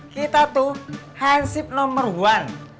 kita tuh hansip nomor one